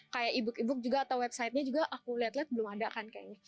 kayak e book e book juga atau website nya juga aku liat liat belum ada kan kayaknya